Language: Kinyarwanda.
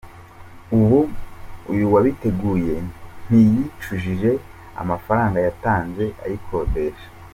Ubu uyu wabiteguye ntiyicujije amafaranga yatanze ayikodesha.